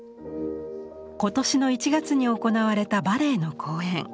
今年の１月に行われたバレエの公演。